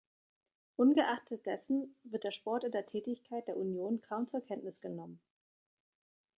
Ungeachtet dessen wird der Sport in der Tätigkeit der Union kaum zur Kenntnis genommen.